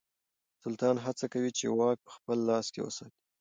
سلطان هڅه کوي چې واک په خپل لاس کې وساتي.